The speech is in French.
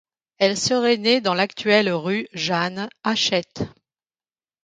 Elle serait née dans l'actuelle rue Jeanne Hachette.